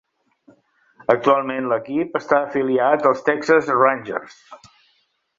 Actualment l'equip està afiliat als Texas Rangers.